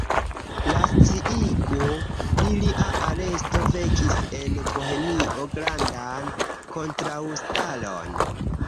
La sciigo pri lia aresto vekis en Bohemio grandan kontraŭstaron.